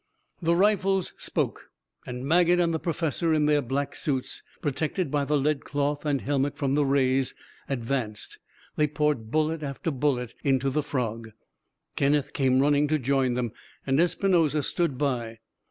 The rifles spoke, and Maget and the professor, in their black suits, protected by the lead cloth and helmets from the rays, advanced. They poured bullet after bullet into the frog. Kenneth came running to join them, and Espinosa stood by.